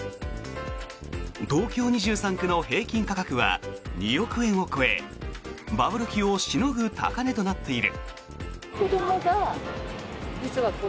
東京２３区の平均価格は２億円を超えバブル期をしのぐ高値となっている。